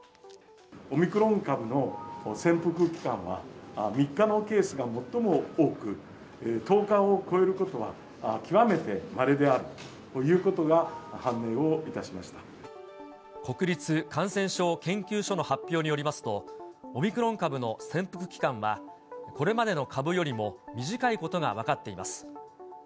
オミクロン株の潜伏期間は、３日のケースが最も多く、１０日を超えることは極めてまれであるということが判明をいたし国立感染症研究所の発表によりますと、オミクロン株の潜伏期間は、これまでの株よりも短いことが分かっています。